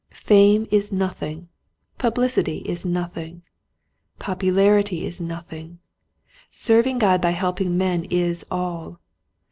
Fame is nothing, publicity is nothing, popularity is nothing, serving God by help ing men is all.